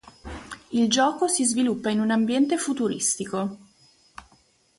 Il gioco si sviluppa in un ambiente futuristico.